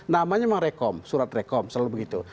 namanya memang rekom surat rekom selalu begitu